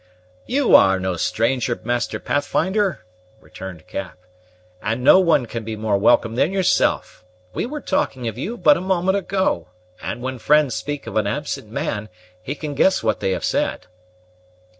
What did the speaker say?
"You are no stranger, Master Pathfinder," returned Cap, "and no one can be more welcome than yourself. We were talking of you but a moment ago, and when friends speak of an absent man, he can guess what they have said."